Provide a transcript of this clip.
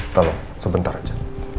tolong sebentar aja